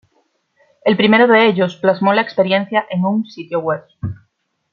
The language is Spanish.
El primero de ellos plasmó la experiencia en un sitio web.